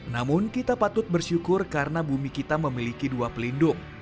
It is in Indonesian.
namun kita patut bersyukur karena bumi kita memiliki dua pelindung